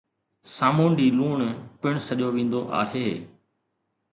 سامونڊي لوڻ پڻ سڏيو ويندو آهي